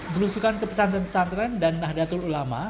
gelusukan ke pesantren pesantren dan nahdatul ulama